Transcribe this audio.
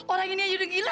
orang ini aja udah gila